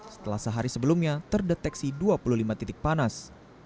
setelah sehari sebelumnya terdeteksi dua puluh lima titik panas